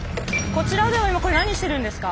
こちらでは今これ何してるんですか？